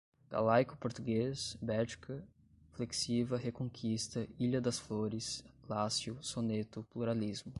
galaico-português, Bética, flexiva, Reconquista, ilha das Flores, Lácio, soneto, pluralismo